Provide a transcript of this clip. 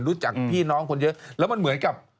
รู้จักพี่น้องคนเยอะแล้วมันเหมือนกับ